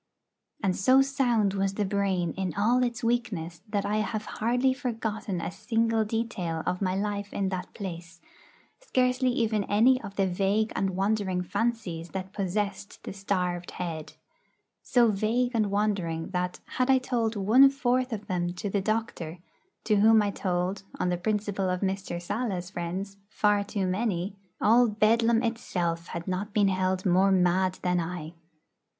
And so sound was the brain in all its weakness that I have hardly forgotten a single detail of my life in that place, scarcely even any of the vague and wandering fancies that possessed the starved head; so vague and wandering that, had I told one fourth of them to the doctor, to whom I told (on the principle of Mr. Sala's friends) far too many, all Bedlam itself had not been held more mad than I.